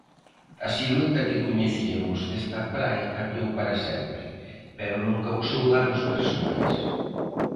A silueta que coñeciamos desta praia cambiou para sempre pero non causou danos persoais.